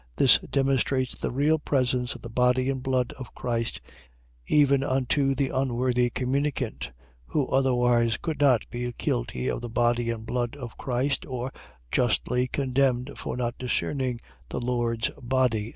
.This demonstrates the real presence of the body and blood of Christ, even to the unworthy communicant; who otherwise could not be guilty of the body and blood of Christ, or justly condemned for not discerning the Lord's body.